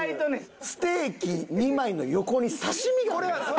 ステーキ２枚の横に刺身がありますよ。